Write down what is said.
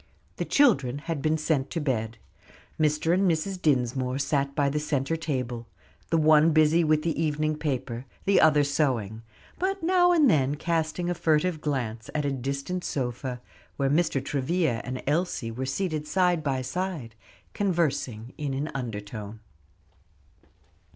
The children had been sent to bed. Mr. and Mrs. Dinsmore sat by the centre table, the one busy with the evening paper, the other sewing, but now and then casting a furtive glance at a distant sofa, where Mr. Travilla and Elsie were seated side by side, conversing in an undertone.